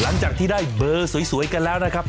หลังจากที่ได้เบอร์สวยกันแล้วนะครับ